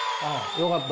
よかった！